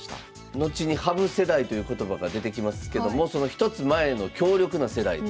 後に羽生世代という言葉が出てきますけどもその一つ前の強力な世代ということですね。